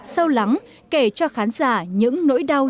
sâu lắng kể cho khán giả những nỗi đau